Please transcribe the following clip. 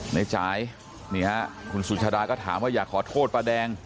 ในจ่ายนี่ฮะคุณสุชาดาก็ถามว่าอยากขอโทษป้าแดง